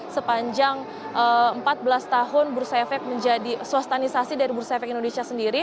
sepanjang empat belas tahun bursa efek menjadi swastanisasi dari bursa efek indonesia sendiri